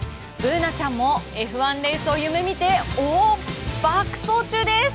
ＢｏｏｎａちゃんもＦ１レースを夢見て、爆走中です！